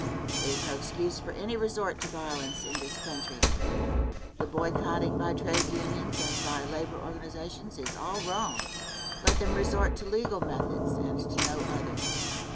There is no excuse for any resort to violence in this country. The boycotting by trades unions and by labor organizations is all wrong. Let them resort to legal methods and to no other.